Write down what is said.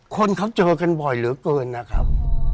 คนเขาเจอกันบ่อยเหลือเกินนะครับ